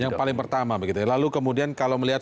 yang paling pertama lalu kemudian kalau melihat